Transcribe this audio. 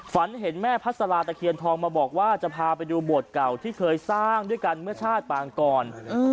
ฝันเห็นแม่พัสลาตะเคียนทองมาบอกว่าจะพาไปดูโบสถ์เก่าที่เคยสร้างด้วยกันเมื่อชาติปางก่อน